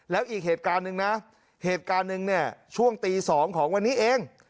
แล้วอีกเหตุการณ์หนึ่งนะเหตุการณ์หนึ่งเนี่ยช่วงตี๒ของวันนี้เอง